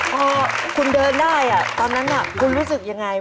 พอคุณเดินได้ตอนนั้นคุณรู้สึกยังไง